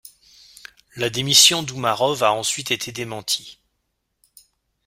La démission d'Oumarov a ensuite été démentie.